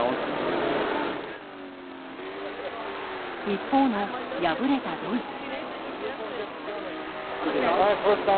一方の敗れたドイツ。